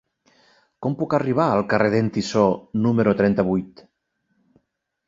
Com puc arribar al carrer d'en Tissó número trenta-vuit?